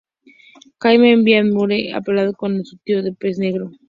Jaime envía a Edmure a parlamentar con su tío el Pez Negro.